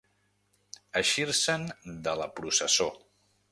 Eixir-se'n de la processó.